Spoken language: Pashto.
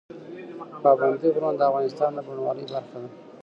پابندی غرونه د افغانستان د بڼوالۍ برخه ده.